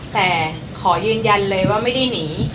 แต่ขอยืนยันเลยว่าไม่ได้หนี